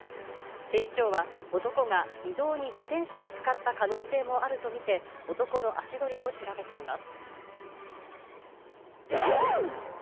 警視庁は、男が移動に自転車を使った可能性もあると見て、男の足取りを調べています。